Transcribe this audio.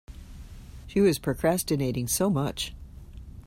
She was procrastinating so much.